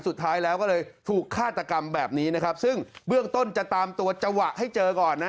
สุดท้ายแล้วก็เลยถูกฆาตกรรมแบบนี้นะครับซึ่งเบื้องต้นจะตามตัวจังหวะให้เจอก่อนนะ